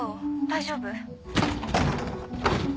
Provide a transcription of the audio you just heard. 大丈夫？